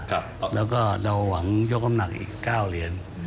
ครับแล้วก็เราหวังยกน้ำหนักอีก๙เหรียญ